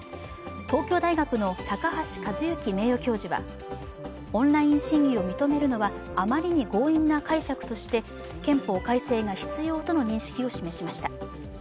東京大学の高橋和之名誉教授は、オンライン審議を認めるのはあまりに強引な解釈として憲法改正が必要との認識を示しました。